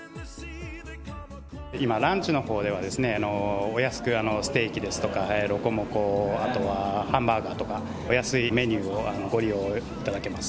今、ランチのほうではですね、お安くステーキですとか、ロコモコ、あとはハンバーグとか、お安いメニューをご利用いただけます。